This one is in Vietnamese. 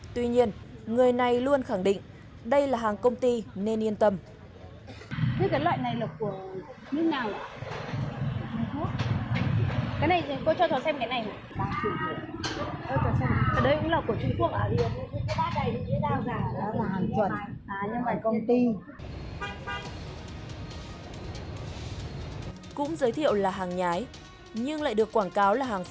thì người này khẳng định chỉ có thể bảo hành tại cửa hàng